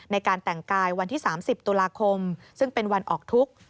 ในการแต่งกายวันที่๓๐ตุลาคมซึ่งเป็นวันออกทุกข์